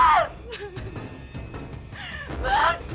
rumah ini sudah dikebuk